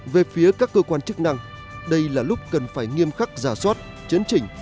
về phía các cơ quan chức năng đây là lúc cần phải nghiêm khắc giả soát chấn chỉnh